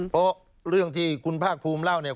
เพราะเรื่องที่คุณภาคภูมิเล่าเนี่ย